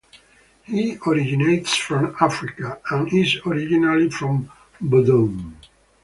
He originates from Africa and is originally from Vodoun.